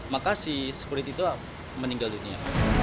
maka si sekurit itu meninggal dunia